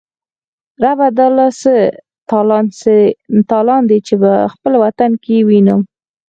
ربه دا لا څه تالان دی، چی به خپل وطن یې وینم